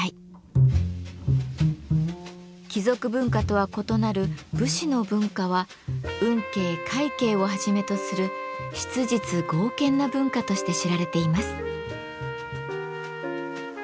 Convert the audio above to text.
貴族文化とは異なる武士の文化は運慶・快慶をはじめとする質実剛健な文化として知られています。